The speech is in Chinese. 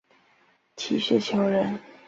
齐学裘人。